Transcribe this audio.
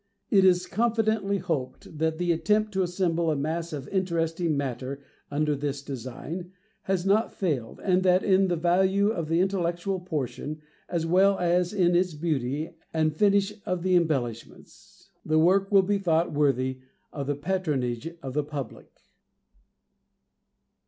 It is confidently hoped, that the attempt to assemble a mass of interesting matter under this design, has not failed; and that, in the value of the intellectual portion, as well as in the beauty and finish of the embellishments, the Work will be thought worthy of the patronage of the public.